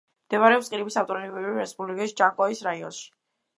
მდებარეობს ყირიმის ავტონომიური რესპუბლიკის ჯანკოის რაიონში.